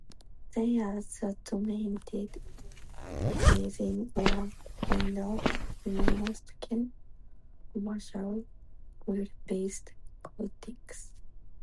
They are the dominant resin or "binder" in most commercial "oil-based" coatings.